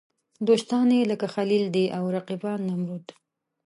دوستان یې لکه خلیل دي او رقیبان نمرود.